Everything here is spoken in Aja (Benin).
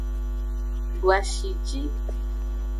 Doashi ji.